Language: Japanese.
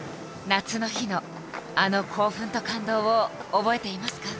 夏の日のあの興奮と感動を覚えていますか？